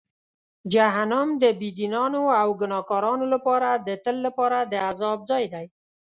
جهنم د بېدینانو او ګناهکارانو لپاره د تل لپاره د عذاب ځای دی.